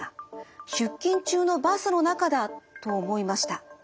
出勤中のバスの中だ」と思いました。